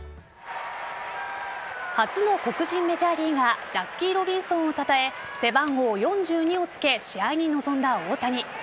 初の黒人メジャーリーガージャッキー・ロビンソンを称え背番号４２を付け試合に臨んだ大谷。